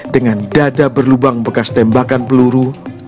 dengan dada berlubang bekas tembakan peluru